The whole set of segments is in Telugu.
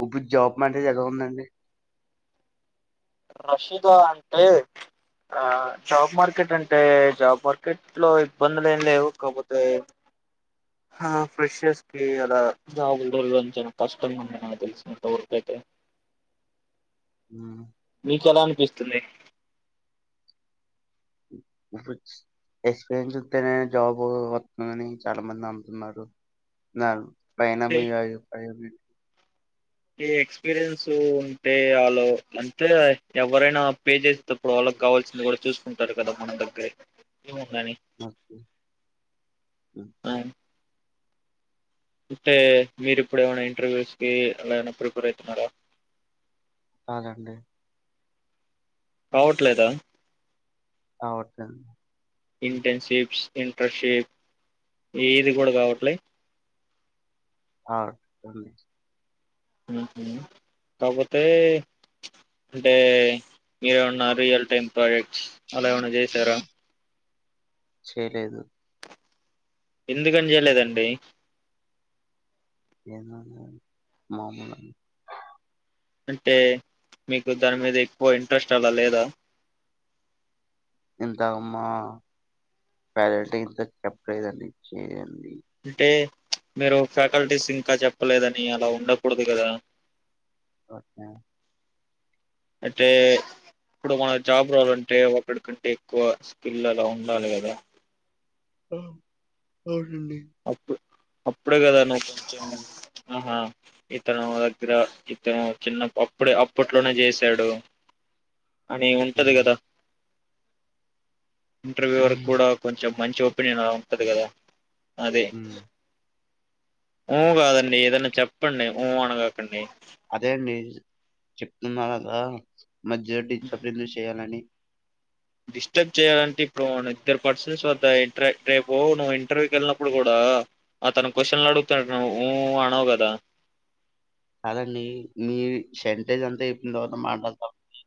ప్పు జాబ్ మా ఎలా ఉండండి రషీదా అంటే ఆ జాబ్ మార్కెట్ అంటే జాబ్ మార్కెట్ లో ఇబ్బందులు ఏం లేవు కాకపోతే ఆ ఫెషర్స్ కి అలా జాబు కష్టం ఉ తెలిసినంతవరకు అయితే ఉమ్. మీకు ఎలా అనిపిస్తుంది ఇప్పుడు ఎక్స్పీరియన్స్ వస్తేనే జాబ్ వస్తుందని చాలా మంది నమ్ముతున్నారున్నారు అయిన అంటే మీ ప ఈ ఎక్స్పీరియన్స్ ఉంటే వాళ్లో అంటే ఎవరైనా పే చేసేటప్పుడు వాళ్ళకి కావాల్సింది కూడా చూసుకుంటారు కదా మన దగ్గర మ ఆ అంటే మీరుప్పుడు ఏమైనా ఇంటర్వ్యూస్ కి అలా ఏనా ప్రిపేర్ అవుతున్నారా కాదండి రావట్లేదా వట్లేదు ఇంటర్న్షిప్స్ ఇంటర్షిప్ ఏది కూడా కావట్లే ఆ కాకపోతే అంటే మీరేమన్నా రియల్ టైమ్ ప్రాజెక్ట్స్ అలా ఏమైనా చేశారా చేయలేదు ఎందుకని చేయలేదండి ఏదనా మామూల అంటే మీకు దాని మీద ఎక్కువ ఇంట్రెస్ట్ అలా లేదా ఇంత మా పాలట్ ఇంత చెప్పలేదని చేయండి అంటే మీరు ఫ్యాకల్టీస్ ఇంకా చెప్పలేదని అలా ఉండకూడదు కదా ఓకే అయితే ఇప్పుడు మన జాబ్ రావాలంటే ఒకక్కడి కంటే ఎక్కువ స్కిల్ అలా ఉండాలి కదా ఆ అవున్ అండి అప్పుడు అప్పుడే కదా నువు కొంచెం ఆహా ఇతను దగ్గర ఇతను చిన్న అప్పుడే అప్పట్లోనే చేసాడు అని ఉంటది ఉమ్. కదా ఇంటర్వ్యూ వరకు కూడా కొంచెం మంచి ఒపీనియన్ అలా ఉంటది కదా అదే ఉమ్. ఉమ్ కాదండి ఏదన్నా చెప్పండి ఊ అన కాకండి అదే అండి చెప్తున్నా కదా మధ్య డిస్టర్బెందుకు చేయాలని డిస్టర్బ్ చేయాలంటే ఇప్పుడు ఇద్దరు పర్సన్స్ వద్ద ఇంట రేపు నువ్వు ఇంటర్వ్యూకి వెళ్ళినప్పుడు కూడా అతను క్వశన్లు అడుగుతున్నా ఊ అనవు కదా కాదండి మీ సెంటేజ్ అంతా అయిపోయిన తర్వాత మాట్లాడదామండి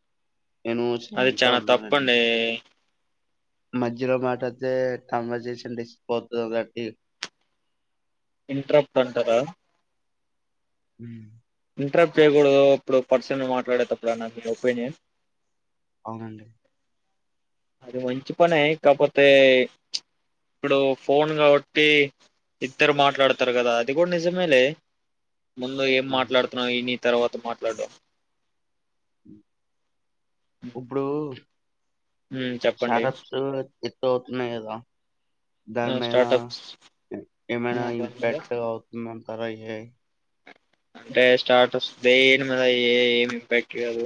అది చానా తప్పండి మధ్యలో మాట అయితే కాన్వర్జేషన్ డిస్పోతుంది కాట్టి ఇంట్రప్ట్ అంటారా ఉమ్ ఇంటర్ప్ట్ చేయకూడదు అప్పుడు పర్సన్ మాట్లాడేటప్పుడు అనా మీ ఒపీనియన్ అవునండి అది మంచి పనే కాపోతే ఇప్పుడు ఫోన్ కాబట్టి ఇద్దరు మాట్లాడతారు కదా అది కూడా నిజమే లే ముందు ఏం హ్మ్. మాట్లాడుతున్నావు ఇని తర్వాత మాట్లాడం ఇప్పుడు ఉమ్ చెప్పండి తోతున్నయ్ కదా ఆ దాని మీద స్టార్టప్స్ ఏమైనా అనే దాని మీద ఇంపాక్ట్ అవుతుందనా అరైహె అంటే స్టార్టప్స్ దేని మీద ఏ ఏమి ఇంపాక్ట్ కాదు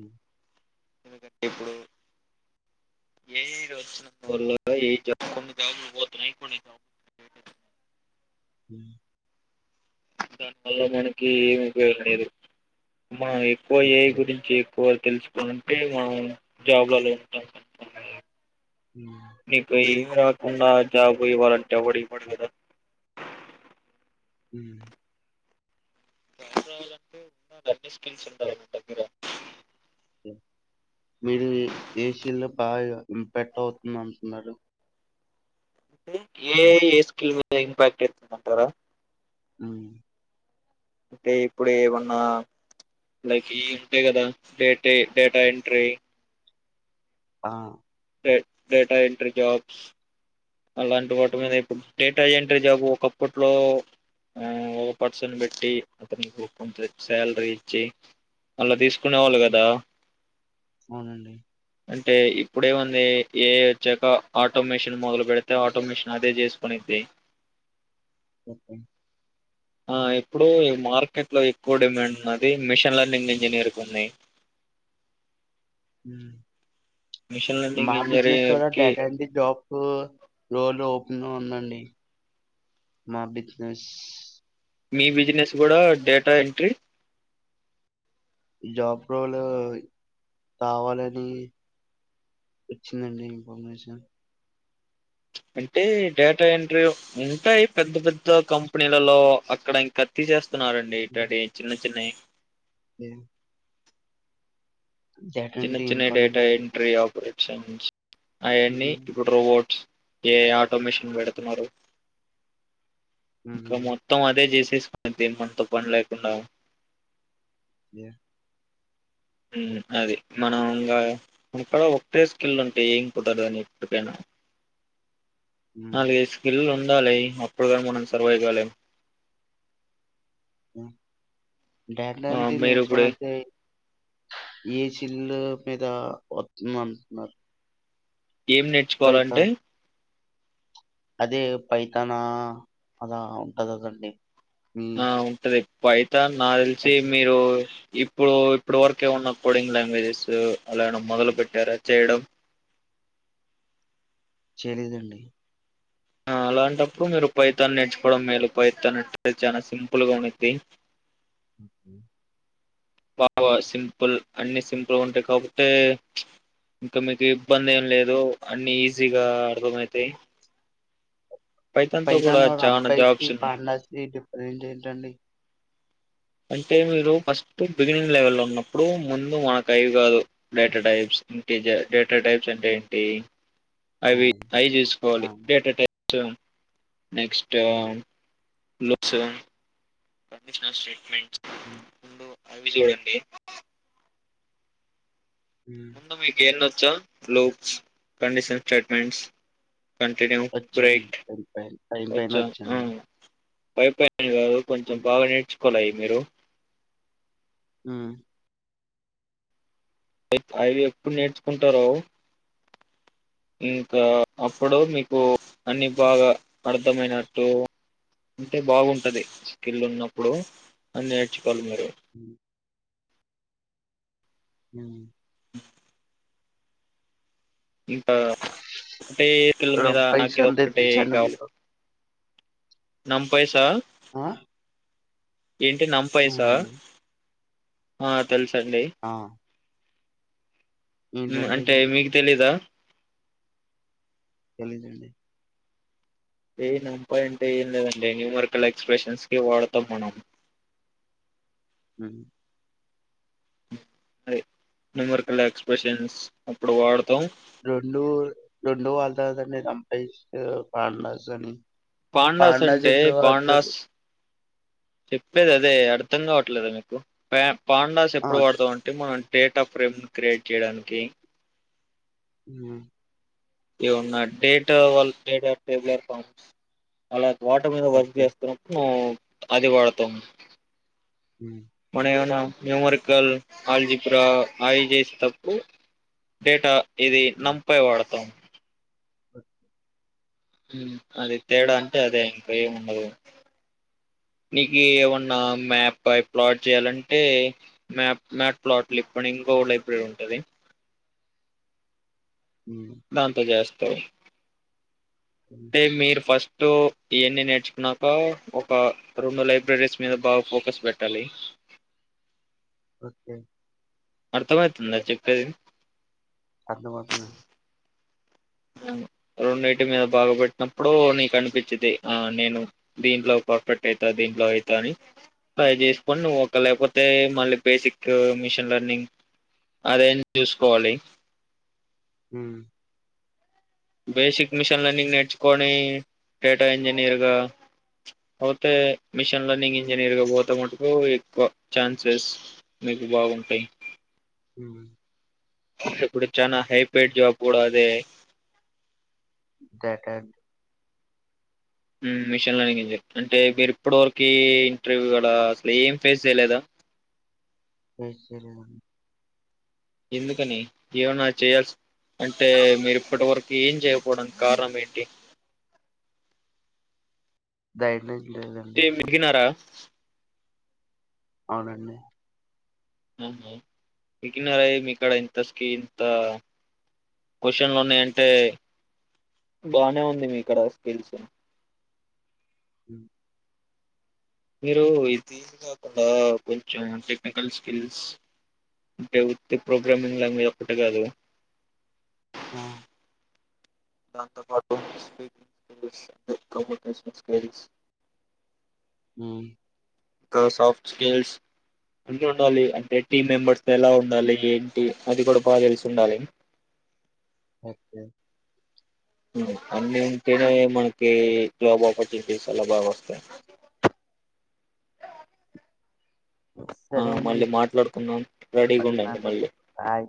ఉ ఎందుకంటే ఇప్పుడు ఏ వచ్చిన [unintelligible] పోతున్నాయి కొన్ని మ్మ్ దానివల్ల మనకి ఏమి దు మనం ఎక్కువ ఏ ఓకే. గురించి ఎక్కువ తెలుసుకోాలంటే మనం జాబ్లలో ఉమ్ హ్మ్. ఇపోయి కొన్నా జాబ్ వాళ్ళంట వడి పడద హ క రావాలంటే నాకు అన్ని స్కిల్స్ ఉండాలి దగ్గర మీరు ఏ షీల్డ్ లో బాగా ఇంపెక్ట్ అవుతుంది అంటున్నారు ఏ ఏ స్కిల్ మీద ఇంపాక్ట్ ఇతుంది అంటారా హమ్ అంటే ఇప్పుడు ఏమన్నా లైక్ ఈ ఉంటాయి కదా డేటా డేటా ఎంట్రీ ఆ ే డేటా ఎంట్రీ జాబ్స్ అలాంటి వాటి మీద ఇప్పుడు డేటా ఎంట్రీ జాబ్ ఒకప్పట్లో ఒక పర్సన్ పెట్టి అతనికి కొ శాలరీ ఇచ్చి అలా తీసుకు కునేవాలి కదా అవునండి అంటే ఇప్పుడేముంది ఎఐ వచ్చాక ఆటో మిషిన్ మొదలు పెడితే ఆటో మెషన్ అదే చేసుకనిది సత్తే ఆ ఇప్పుడు మార్కెట్ లో ఎక్కువ డిమాండ్ ఉన్నది మిషన్ లెర్నింగ్ ఇంజనీర్ంగ్ ఉంది హ మిషన్ లర్నింగ్ జర వచ్చి రోలు ఓపెన్లో ఉందండి మా బిజినెస్ మీ బిజినెస్ కూడా డేటా ఎంట్రీ జాబ్ రోలు కావాలని వచ్చిందండి ఇన్ఫర్మేషన్ అంటే డేటా ఎంట్రీ ఉంటాయి పెద్ద పెద్ద కంపెనీలలో అక్కడ ఇంకతి చేస్త న్నారండి ఇట్లాంటి చిన్న చిన్నవి ఇ చిన్న ఎంట్రీ చిన్న ఇంపార్టెంట్ డేటా ఎంట్రీ అంటున్నారు ఆపరేషన్ అవన్నీ ఉమ్, ఇప్పుడు రోబోట్స్ ఏ ఆటోమిషన్ పెడుతున్నారు ఉమ్, ఇంకా అదే చేసి తీసుకొని తిను మాతో పని లేకుండా ఏ అది మనం ఇంకా ఇక్కడ ఒకటే స్కిల్ ఉంటే ఏంపోతాడు దాని ఎప్పడికనా ఉమ్, నాలుగైదు స్కిల్ అప్పుడు గాని మనం సర్వే కాలేం ఆ డేటా ఆ, ఎంట్రీ మీరు ఇప్పుడు నేర్చుకోవాలంటే ఏ చిల్లు మీద వస్తుంద అంటున్నారు ఏం నేర్చుకోవాలంటే పైథాన్ అదే పైతానా అలా ఉంటంది కదండి మీ ఆ ఉంటంది పై తాన్ నాకు తెలిసి అది మీరు ఇప్పుడు ఇప్పుడు వరకు ఏమన్నా కోడింగ్ లాంగ్వేజెస్ అలా ఏమన్నా మొదలు పెట్టారా చేయడం చేయలేదండి ఆ అలాంటప్పుడు మీరు పైథాన్ నేర్చుకోవడం మేలు పైథాన్ అంటే చాలా సింపుల్ గా ఉండిద్ది. బాగా సింపుల్ అన్ని సింపుల్ గా ఉంటాయి కాకపోతే ఇంకా మీకు ఇబ్బంది ఏం లేదు అన్నీ ఈజీగా అర్థం అయ్యితాయి పైథాన్ [unintelligible] చాలా జాబ్స్ ఉన్నాయి ప్రెజెంట్ ఏంటండి అంటే మీరు ఫస్ట్ బిగినింగ్ లెవెల్ల్లో ఉన్నప్పుడు ముందు మాకు అవి కాదు data types integer data types అంటే ఏంటి? అవి హ్మ్. అయి చూసుకోవాలి ఆ! డేటా టైప్ నెక్స్ట్ హ్మ్. లుక్సు కండీషనల్ స్టేట్మెంట్ హ్మ్. అవి చూడండి హ్మ్. ముందు మీకి ఎన్నో కడీషన్ స్టేట్మెంట్స్ కంటిన్యూ వచ్చాడు బ్రేక్ టైం పైనే టైం పైన వచ్చాడు వైఫై [unintelligible] కొంచెం బాగా నేర్చు [unintelligible] మీరు హ్మ్ ఎప్ అవి ఎప్పుడు నేర్చుకుంటారో ఇంకా అప్పుడు మీకు అన్ని బాగా అర్థమైనట్టు, అంటే బాగుంటది స్కిల్ ఉన్నప్పుడు అన్ని నేర్చు పల్ మ హ్మ్. మ్ ఇంకా ఒకటే పిల్ల మీద రంపై అక్క ఇది సంతే ఒక్కటే తెలుసండి కావాలి మీకు? నమ్ పైసా ఆ ఏంటీ నమ్ పైసా అవునండి. ఆ తెలుసు సండే ఆ! ఉ... ఏంటంటే అంటే ఇది? మీకు తెలీదా తెలీదండి ఏ నం పాయింట్ ఏం లేదండి న్యూమర్కల్ ఎక్స్ప్రెషన్స్ కి వాడతాం మనం హ్మ్. అది నిమర్ కళ ఎక్స్ప్రెషన్స్ అప్పుడు వాడతాం రెండు రెండు వాళ్ళతన్ని రంప అని [inaudible] పాండాస్ అంటే ఎందుకు పాండాస్ వాడతారు? చెప్పలేదు అదే అర్ధం కావట్లేదా మీకు పాండాస్ ఆ! ఎప్పుడు వాడుతాం అంటే మనం రడేట్ ఆఫ్ రెమన్ క్రియేట్ చేయడానికి హ ఏన్నా డేట్ వాళ్ళ డేటే ఫామ్ అలా వాటర్ మీద వర్క్ ఓకే. చేస్తున్నాప్పు మనం అది వాడతోాం హ మన ఏమైనా న్యూమరికల్ ఆల్జీ ఆయి చేసేటప్పుడు డేటా ఇది హ్మ్. నంపైయ వాడతాం అది తేడా అంటే అదే ఇంకా ఏముండదు నీకు ఏమన్నా మ్యాప్ ప్లాట్ చేయాలంటే మ్యాప్ మ్యాప్ ప్లాట్లు ఇప్పుడు ఇంకో లైబ్రరీ ఉంటది హ్మ్. దంతో చేస్త సయి హ్మ్. మ మీరు ఫస్ట్ ో ఇవన్నీ నేర్చుకున్నాక ఒక రెండు లైబ్రరీస్ మీద బాగా ఫోకస్ పెట్టాలి ఓకే అర్థం అవుతుంది అది చెప్పేది అదులు బస్తున్నా రెండింటి మీద బాగు పెెట్టినప్పుడు నీకు అనిపించిది ఆ నేను దీంట్లో పర్ఫెక్ట్ అవుతా దీంట్లో అవుతా అని టై చేసుకొని నువ్వు ఒక లేకపోతే మళ్ళీ బేసిక్ మిషన్ లెర్నింగ్ అదే చూసుకోవాలి హ బేసిక్ మిషన్ లెర్నింగ్ నేర్చుకొని డేటా ఇంజనీర్గా పోతే మిషన్ లెర్నింగ్ ఇంజనీర్గా పోతా మటుకు ఎక్కువ ఛాన్సెస్ మీకు బాగుంటాయి హ ఇప్పుడు చనా హైపైడ్ జాబ్ కూడా అదే దట్ట మిషన్ లనింగ్ అంటే మీరు ఇప్పటి వరకు ఇంటర్వ్యూ అసలు ఏం ఫేస్ చేయలేదా స సర ఎందుకని ఏమనా చేయాల్సి అంటే మీరు ఇప్పటి వరకు ఏం చేయపోవడానికి కారణం ఏంటి దద అడి తె మీకినారా అవునండి ఆహా బిగినర్ మీక్కడ ఇంత స్కి ఇంత క్వశచన్ లోన్నా అంటే బానే ఉంది మీక్కడ స్కిల్స్ హ మీరు ఇది కాకుండా కొంచెం టెక్నికల్ స్కిల్స్ అంటే ఉత్ ప్రోగ్రామింగ్ లాంగ్వేజ్ ఒకక్కటే కాదు ఆ స్స్ కరస్ ఆ ఇంకా సాఫ్ట్ స్కిల్స్ అన్ని ఉండాలి అంటే టీమ్ మెంబర్స్ ఎలా ఉండాలి ఏంటి అది కూడా బాగా తెలిసి ఉండాలి. ఓకే. అన్ని ఉంటేనే మనకి జాబ్ అప్పోర్టునిటీస్ అలా బాగోస్తాయ్. ఆ సరే అండి. మళ్ళీ మాట్లాడుకుందాం రెడీగా మళ్ళీ ఉండండి మళ్ళీ మాట్లాడుకుందాం. బాయ్.